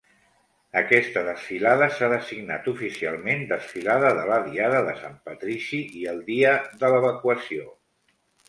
Aquesta desfilada s'ha designat oficialment Desfilada de la Diada de Sant Patrici i el Dia de l'Evacuació.